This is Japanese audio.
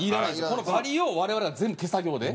このバリを我々が全部手作業で。